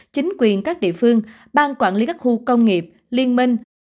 chính quyền các địa phương ban quản lý các khu công nghiệp liên minh